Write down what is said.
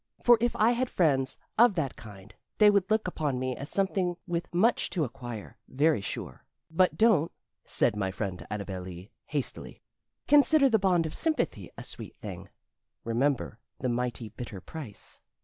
For if I had friends, of that kind, they would look upon me as something with much to acquire, very sure. But don't," said my friend Annabel Lee, hastily, "consider the bond of sympathy a sweet thing remember the mighty bitter price."